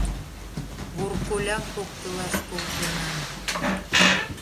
Вор колям поктылаш колтенам.